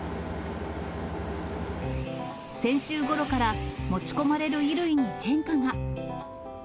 先週ごろから、持ち込まれる衣類に変化が。